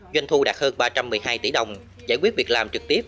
doanh thu đạt hơn ba trăm một mươi hai tỷ đồng giải quyết việc làm trực tiếp